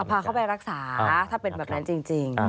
พาเขาไปรักษาถ้าเป็นแบบนั้นจริง